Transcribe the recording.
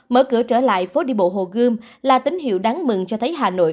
mở cửa trở lại phố đi bộ hồ gươm là tín hiệu đáng mừng cho thấy hà nội